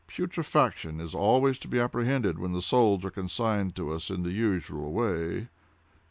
Putrefaction is always to be apprehended when the souls are consigned to us in the usual way."